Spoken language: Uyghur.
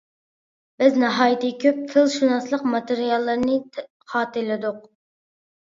بىز ناھايىتى كۆپ تىلشۇناسلىق ماتېرىياللىرىنى خاتىرىلىدۇق.